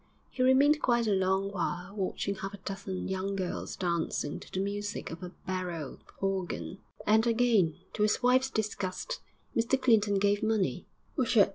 He remained quite a long while watching half a dozen young girls dancing to the music of a barrel organ, and again, to his wife's disgust, Mr Clinton gave money.